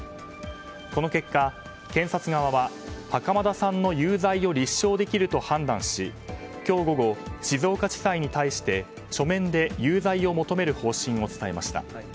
この結果、検察側は袴田さんの有罪を立証できると判断し今日午後、静岡地裁に対して書面で有罪を求める方針を伝えました。